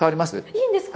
いいんですか？